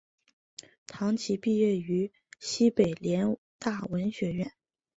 唐祈毕业于西北联大文学院。